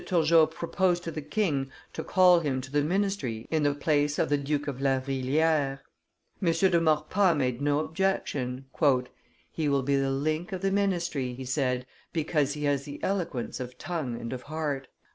Turgot proposed to the king to call him to the ministry in the place of the Duke of La Vrilliere. M. de Maurepas made no objection. "He will be the link of the ministry," he said, "because he has the eloquence of tongue and of heart."